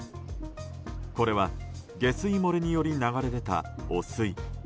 これは下水漏れにより流れ出た汚水。